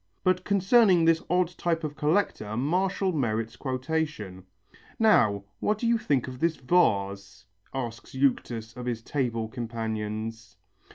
But concerning this odd type of collector Martial merits quotation. "Now, what do you think of this vase?" asks Euctus of his table companions.